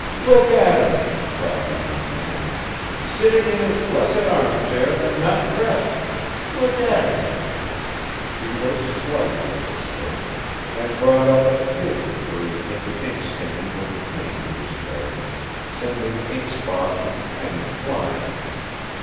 "Look at him!" cried the young man, "sitting in his blessed arm chair and not dressed. Look at him!" He lurched slightly as he spoke, and brought up at the table where he hit the inkstand with the cane he was carrying, sending inkpot and pens flying.